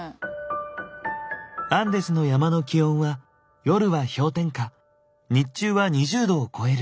アンデスの山の気温は夜は氷点下日中は２０℃を超える。